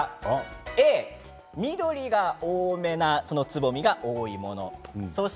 Ａ・緑が多めなつぼみが多いもの。